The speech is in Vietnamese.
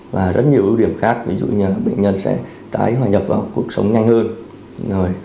và rất nhiều ưu điểm khác ví dụ như bệnh nhân sẽ tái hòa nhập vào cuộc sống nhanh hơn